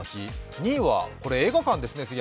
２位はこれ、映画館ですね。